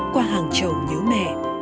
qua hàng trầu nhớ mẹ